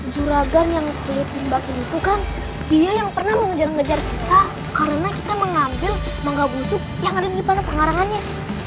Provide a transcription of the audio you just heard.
juragan yang kulit di bakin itu kan dia yang pernah mengejar ngejar kita karena kita mengambil mangga busuk yang ada di depan pengarangannya